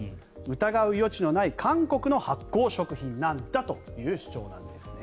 疑う余地のない韓国の発酵食品なんだという主張なんですね。